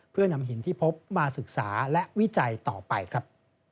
เพื่อนำหินที่พบมาศึกษาและวิจัยต่อไปครับ